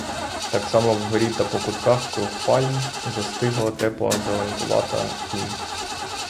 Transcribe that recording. Так само вгорі та по кутках круг пальм застигла тепла зеленкувата тінь.